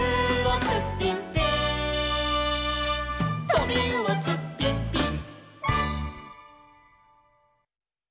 「とびうおツッピンピン」